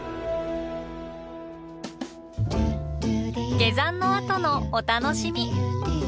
下山のあとのお楽しみ。